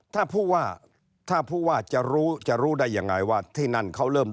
ถ้าผู้ว่าจะรู้ได้อย่างไรว่าที่นั่นเขาเริ่ม